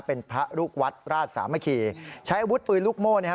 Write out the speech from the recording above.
เป็นพระลูกวัดราชสามัคคีใช้อาวุธปืนลูกโม่เนี่ยฮะ